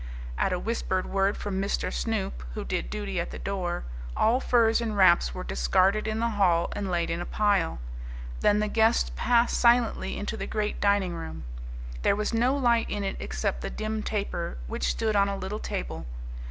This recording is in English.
At a whispered word from Mr. Snoop, who did duty at the door, all furs and wraps were discarded in the hall and laid in a pile. Then the guests passed silently into the great dining room. There was no light in it except the dim taper which stood on a little table.